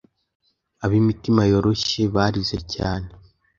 ab’imitima yoroshye barize cyane